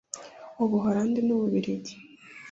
Ubuholandi n’Ububiligi